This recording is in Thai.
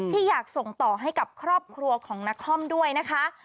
ที่อยากส่งต่อให้กับครอบครัวของนครด้วยนะคะ